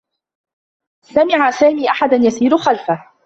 سمع سامي أحدا يسير خلفه.